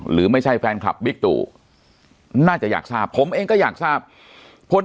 หรือไม่ใช่แฟนคลับบิ๊กตู่น่าจะอยากทราบผมเองก็อยากทราบพล